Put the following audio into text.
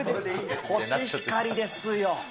コシヒカリですよ。